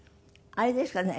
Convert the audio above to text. あれですかね。